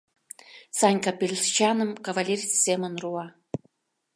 Санька пелчаным кавалерист семын руа.